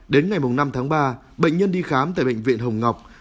đến ngày năm tháng ba bệnh nhân đi khám tại bệnh viện hồng ngọc